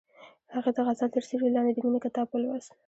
هغې د غزل تر سیوري لاندې د مینې کتاب ولوست.